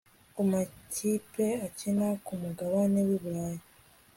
ku makipe akina ku mugabane w'iburayi